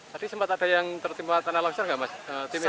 tadi sempat ada yang tertimpa tanah longsor nggak mas